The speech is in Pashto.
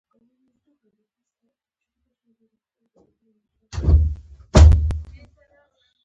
ماهر رنګمالان د رنګونو لپاره د خوښې وړ سطحې تیاروي.